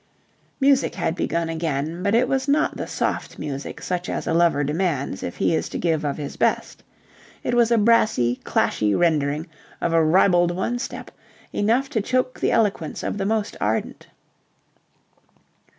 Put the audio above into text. Music had begun again, but it was not the soft music such as a lover demands if he is to give of his best. It was a brassy, clashy rendering of a ribald one step, enough to choke the eloquence of the most ardent.